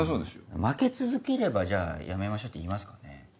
負け続ければ「やめましょう」って言いますかね？